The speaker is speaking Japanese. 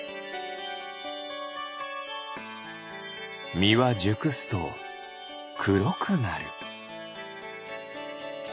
みはじゅくすとくろくなる。